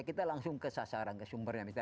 kita langsung ke sasaran ke sumbernya misalnya